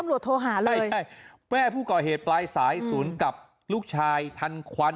ตำลวดโทรหาเลยใช่ใช่แม่ผู้ก่อเหตุปลายสายสวนกับลูกชายทันควัน